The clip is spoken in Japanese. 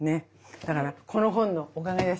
だからこの本のおかげです